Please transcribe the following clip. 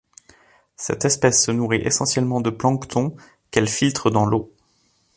Cette espèce se nourrit essentiellement de plancton, qu'elle filtre dans l'eau.